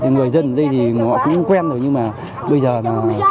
người dân ở đây thì mọi người cũng quen rồi nhưng mà bây giờ là